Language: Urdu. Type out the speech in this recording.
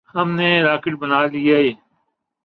ہم نے راکٹ بنا لیے۔